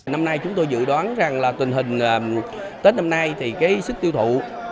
năm nay chúng tôi dự đoán rằng là tình hình tết năm nay thì cái sức tiêu thụ